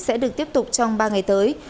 sẽ được tiếp tục trong ba ngày tới